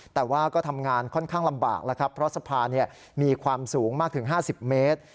แต่ว่าก็ทำงานค่อนข้างลำบากแล้วครับเพราะสะพานมีความสูงมากถึง๕๐เมตร